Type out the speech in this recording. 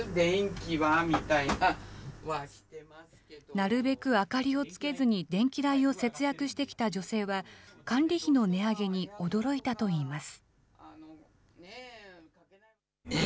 なるべく明かりをつけずに電気代を節約してきた女性は、管理費の値上げに驚いたといいます。